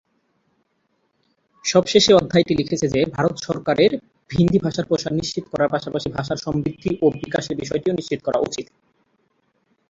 সবশেষে, অধ্যায়টি লিখেছে যে ভারত সরকারের হিন্দি প্রসার নিশ্চিত করার পাশাপাশি ভাষার সমৃদ্ধি ও বিকাশের বিষয়টিও নিশ্চিত করা উচিত।